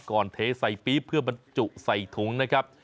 เทใส่ปี๊บเพื่อบรรจุใส่ถุงนะครับ